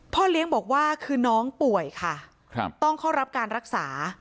เลี้ยงบอกว่าคือน้องป่วยค่ะต้องเข้ารับการรักษา